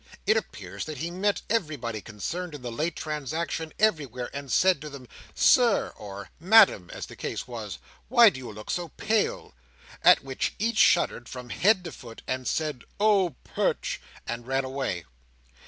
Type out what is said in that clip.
It appears that he met everybody concerned in the late transaction, everywhere, and said to them, "Sir," or "Madam," as the case was, "why do you look so pale?" at which each shuddered from head to foot, and said, "Oh, Perch!" and ran away.